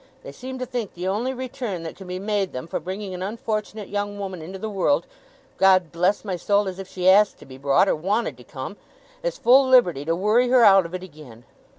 They seem to think the only return that can be made them for bringing an unfortunate young woman into the world God bless my soul, as if she asked to be brought, or wanted to come! is full liberty to worry her out of it again.